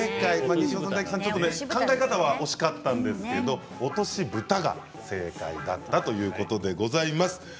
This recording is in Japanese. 西尾さん、考え方は惜しかったんですけど落としぶたが正解だったということです。